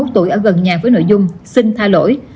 bốn mươi một tuổi ở gần nhà với nội dung xin tha lỗi